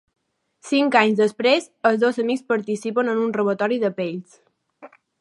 Cinc anys després, els dos amics participen en un robatori de pells.